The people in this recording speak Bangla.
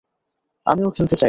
আমিও খেলতে চাই।